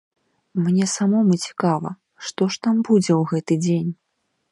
Мне самому цікава, што ж там будзе ў гэты дзень.